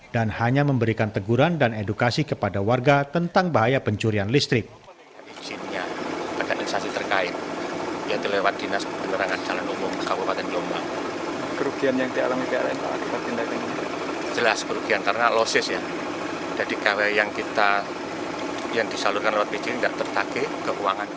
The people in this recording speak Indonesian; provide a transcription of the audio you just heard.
dan hanya memberikan teguran dan edukasi kepada warga tentang bahaya pencurian listrik